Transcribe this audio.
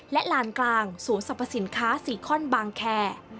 และลานกลางศูนย์สรรพสินค้าซีคอนบางแคร์